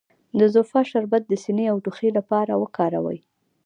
د زوفا شربت د سینې او ټوخي لپاره وکاروئ